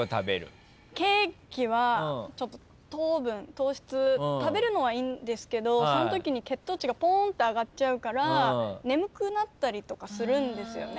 ケーキは糖分糖質食べるのはいいんですけどそのときに血糖値がポーンって上がっちゃうから眠くなったりとかするんですよね。